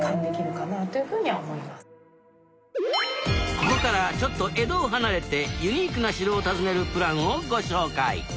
ここからちょっと江戸を離れてユニークな城を訪ねるプランをご紹介